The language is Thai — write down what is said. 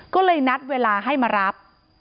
ก็เลยนัดเวลาให้มารับ